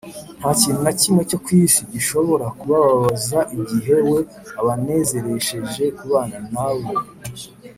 nta kintu na kimwe cyo ku isi gishobora kubababaza igihe we abanezeresheje kubana na bo